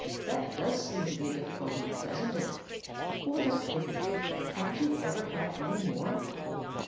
"That does seem to be a difficulty, doesn't it? What a pity! Haven't you ever had any more?"